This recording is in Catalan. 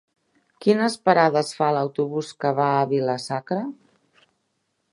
Quines parades fa l'autobús que va a Vila-sacra?